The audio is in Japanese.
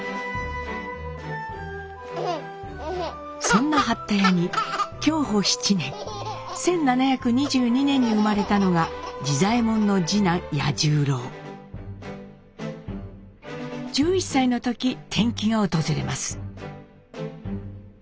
そんな八田屋に享保７年１７２２年に生まれたのが次左衛門の次男八十郎。１１歳の時転機が訪れます。